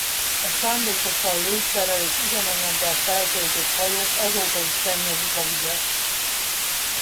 A szándékosan lőszerrel és üzemanyaggal feltöltött hajók azóta is szennyezik a vizet.